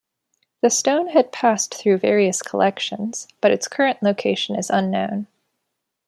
The stone had passed through various collections, but its current location is unknown.